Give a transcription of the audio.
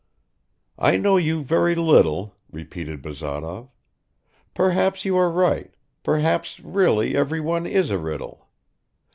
"I know you very little," repeated Bazarov. "Perhaps you are right; perhaps really everyone is a riddle.